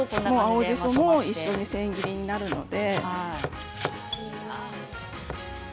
青じそも一緒に千切りになるので。